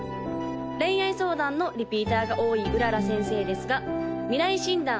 恋愛相談のリピーターが多い麗先生ですが未来診断